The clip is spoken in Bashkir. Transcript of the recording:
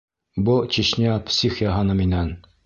Был Чечня псих яһаны минән.